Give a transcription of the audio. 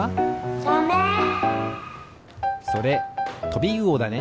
サメ！それトビウオだね。